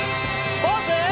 ポーズ！